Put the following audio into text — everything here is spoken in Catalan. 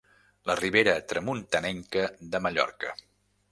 La ribera tramuntanenca de Mallorca.